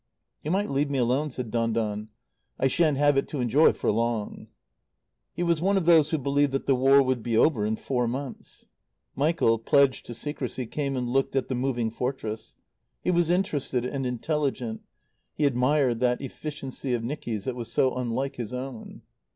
"You might leave me alone," said Don Don. "I shan't have it to enjoy for long." He was one of those who believed that the War would be over in four months. Michael, pledged to secrecy, came and looked at the Moving Fortress. He was interested and intelligent; he admired that efficiency of Nicky's that was so unlike his own.